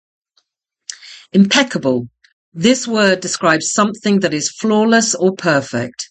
"Impeccable" - This word describes something that is flawless or perfect.